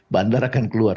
bandar akan keluar